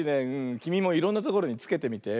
きみもいろんなところにつけてみて。